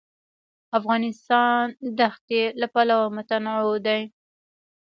افغانستان د ښتې له پلوه متنوع دی.